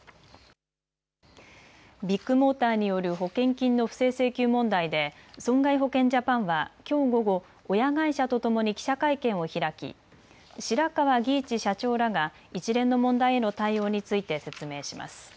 ビッグモーターによる保険金の不正請求問題で損害保険ジャパンはきょう午後、親会社とともに記者会見を開き白川儀一社長らが一連の問題への対応について説明します。